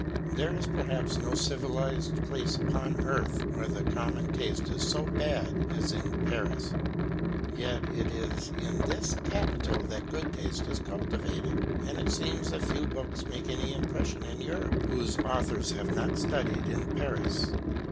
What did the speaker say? There is perhaps no civilised place upon earth where the common taste is so bad as in Paris. Yet it is in this capital that good taste is cultivated, and it seems that few books make any impression in Europe whose authors have not studied in Paris.